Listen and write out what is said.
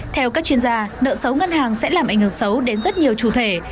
theo các chuyên gia nợ xấu ngân hàng sẽ làm ảnh hưởng xấu đến rất nhiều chủ thể